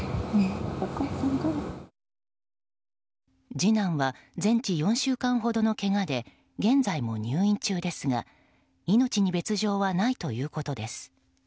次男は全治４週間ほどのけがで現在も入院中ですが命に別条はないということです。